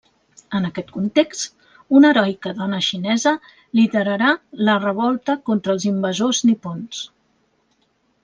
En aquest context, una heroica dona xinesa liderarà la revolta contra els invasors nipons.